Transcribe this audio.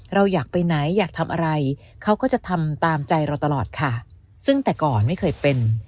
เราอยากไปไหนอยากทำอะไรเขาก็จะทำตามใจเราตลอดค่ะซึ่งแต่ก่อนไม่เคยเป็น